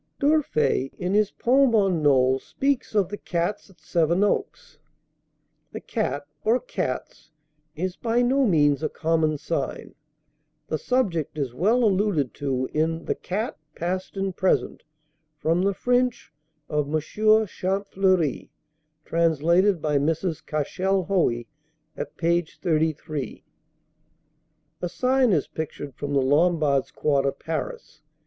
D'Urfey, in his poem on Knole, speaks of "The Cats" at Sevenoaks. "The Cat" or "Cats" is by no means a common sign. The subject is well alluded to in "The Cat, Past and Present," from the French of M. Champfleury, translated by Mrs. Cashel Hoey, at page 33. A sign is pictured from the Lombards' quarter, Paris.